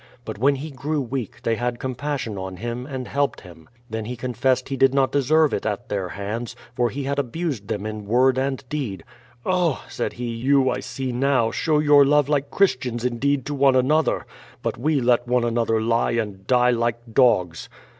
But when he grew weak they had compassion on him and helped him. Then he confessed he did not deserve it at tlieir hands, for he had abused them in word and deed. "Oh," said he, "you I see now, show your love like Christians indeed to one an other; but we let one another lie and die like dogs."